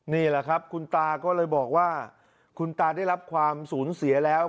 นี่แหละครับคุณตาก็เลยบอกว่าคุณตาได้รับความสูญเสียแล้ว